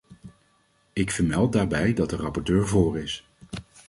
Ik vermeld daarbij dat de rapporteur voor is.